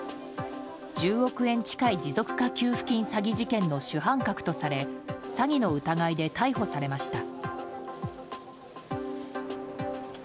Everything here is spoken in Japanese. １０億円近い持続化給付金詐欺事件の主犯格とされ詐欺の疑いで逮捕されました。